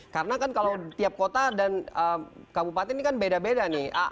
karena kan kalau tiap kota dan kabupaten ini kan beda beda nih